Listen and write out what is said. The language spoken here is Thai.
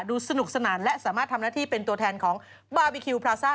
สนุกสนานและสามารถทำหน้าที่เป็นตัวแทนของบาร์บีคิวพราซ่า